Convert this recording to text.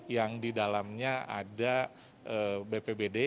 yang di dalamnya ada bpbd